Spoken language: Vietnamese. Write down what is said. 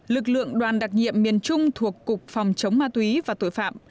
lực lượng đoàn đặc nhiệm miền trung thuộc cục phòng chống ma túy và tội phạm